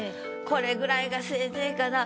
これぐらいがせいぜいかなぁ。